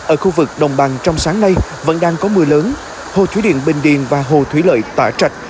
ở khu vực đồng bằng trong sáng nay vẫn đang có mưa lớn hồ thủy điện bình điền và hồ thủy lợi tả trạch